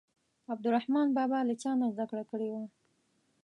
عبدالرحمان بابا له چا نه زده کړه کړې وه.